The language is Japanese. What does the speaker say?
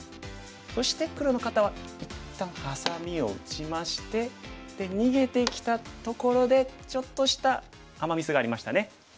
そして黒の方は一旦ハサミを打ちましてで逃げてきたところでちょっとしたアマ・ミスがありましたね。